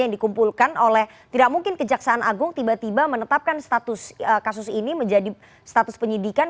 yang dikumpulkan oleh tidak mungkin kejaksaan agung tiba tiba menetapkan status kasus ini menjadi status penyidikan